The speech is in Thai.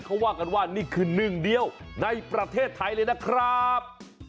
เขาว่ากันว่านี่คือหนึ่งเดียวในประเทศไทยเลยนะครับ